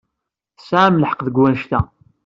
Tesɛam lḥeqq deg wanect-a.